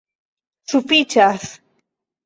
Sufiĉas!